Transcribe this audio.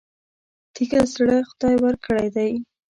تېږه زړه خدای ورکړی دی.